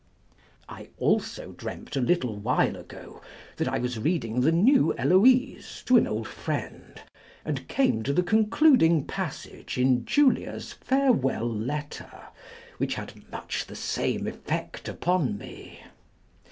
I also dreamt a little while ago, that I was reading the New Eloise to an old friend, and came to the concluding passage in Julia's farewell letter, which had much the same effect upon me.